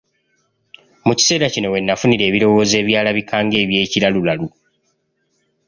Mu kiseera kino we nafunira ebirowoozo ebyalabika ng'eby'ekiralulalu